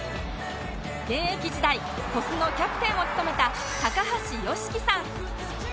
現役時代鳥栖のキャプテンを務めた高橋義希さん